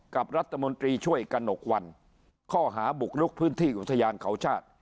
กับรัฐมนตรีช่วยกระหนกวันข้อหาบุกลุกพื้นที่อุทยานเขาชาติ